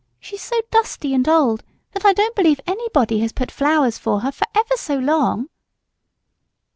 She's so dusty and so old that I don't believe anybody has put any flowers for her for ever so long."